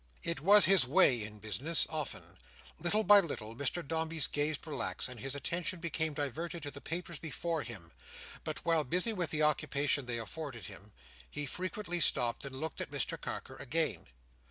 It was his way in business, often. Little by little, Mr Dombey's gaze relaxed, and his attention became diverted to the papers before him; but while busy with the occupation they afforded him, he frequently stopped, and looked at Mr Carker again.